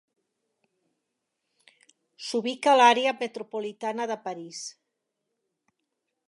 S'ubica a l'àrea metropolitana de París.